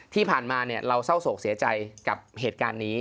ที่ผ่านมาเราเศร้าโศกเสียใจกับเหตุการณ์นี้